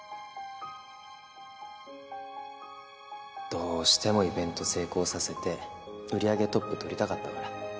どうしてもイベント成功させて売り上げトップとりたかったから。